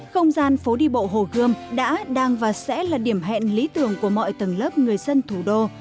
không gian phố đi bộ hồ gươm đã đang và sẽ là điểm hẹn lý tưởng của mọi tầng lớp người dân thủ đô